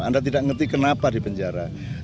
anda tidak mengerti kenapa di penjara